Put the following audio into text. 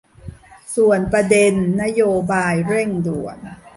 ส่วนประเด็นนโยบายเร่งด่วน